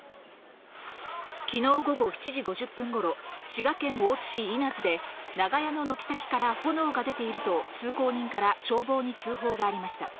昨日午後７時５０分頃、滋賀県大津市稲津で長屋の軒先から炎が出ていると通行人から消防に通報がありました。